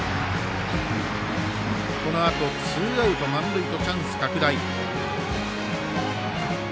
このあと、ツーアウト満塁とチャンス拡大。